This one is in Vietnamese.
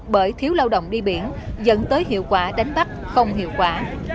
bởi thiếu lao động đi biển dẫn tới hiệu quả đánh bắt không hiệu quả